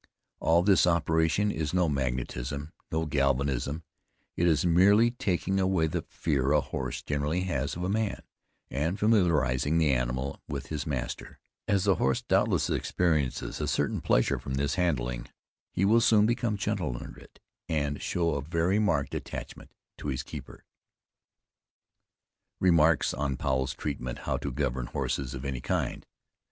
"All this operation is no magnetism, no galvanism; it is merely taking away the fear a horse generally has of a man, and familiarizing the animal with his master; as the horse doubtless experiences a certain pleasure from this handling, he will soon become gentle under it, and show a very marked attachment to his keeper." REMARKS ON POWEL'S TREATMENT HOW TO GOVERN HORSES OF ANY KIND.